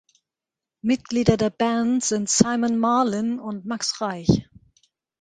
Mitglieder der Band sind Simon Marlin und Max Reich.